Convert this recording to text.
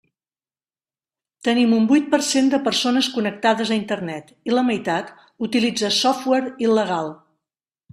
Tenim un vuit per cent de persones connectades a Internet, i la meitat utilitza software il·legal.